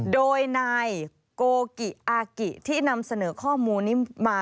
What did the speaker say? โดยนายโกกิอากิที่นำเสนอข้อมูลนี้มา